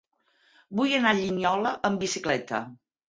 Vull anar a Linyola amb bicicleta.